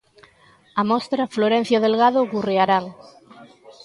A mostra "Florencio Delgado Gurriarán".